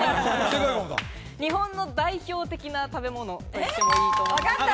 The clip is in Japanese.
日本の代表的な食べ物と言ってもいいかもしれない。